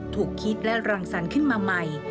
ถูกคิดและรังสรรค์ขึ้นมาใหม่